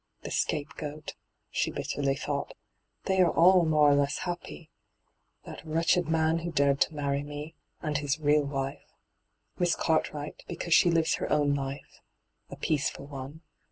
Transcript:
'The scapegoat I*' she bitterly thought. 'They are all more or less happy. That wretched man who dared to marry me, and his real wife. Miss Cartwright, because she lives her own life — a peaceful one.